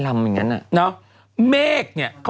แม่งไม่เอา